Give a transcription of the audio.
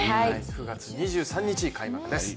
９月２３日開幕です。